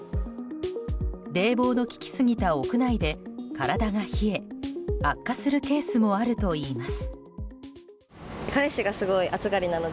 冷房の利きすぎた屋内で体が冷え悪化するケースがあるといいます。